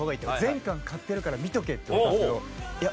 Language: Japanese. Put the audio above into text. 全巻買ってやるから見とけって言われたんですけどいや